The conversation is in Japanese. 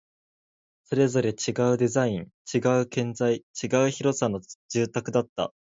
それぞれ違うデザイン、違う建材、違う広さの住宅だった